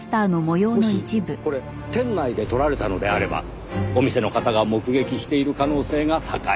もしこれ店内で撮られたのであればお店の方が目撃している可能性が高い。